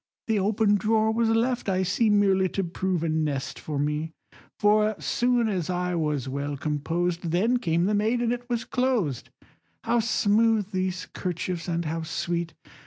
The open drawer was left, I see, Merely to prove a nest for me, For soon as I was well composed, Then came the maid, and it was closed, How smooth these 'kerchiefs, and how sweet!